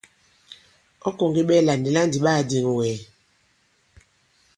Ɔ̌ kɔ̀ŋge ɓɛɛlà nì la ndì ɓa kà-dìŋ wɛ̀?